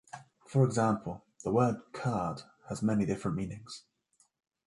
For example, the word "card" has many different meanings.